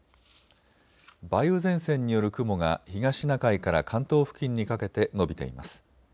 梅雨前線による雲が東シナ海から関東付近にかけて延びています。